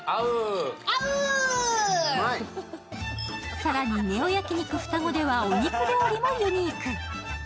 更にネオ焼肉ふたごではお肉料理もユニーク。